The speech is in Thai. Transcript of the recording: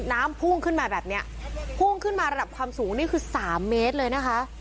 น้ำพุ่งขึ้นมาแบบเนี้ยพุ่งขึ้นมาระดับความสูงนี่คือสามเมตรเลยนะคะ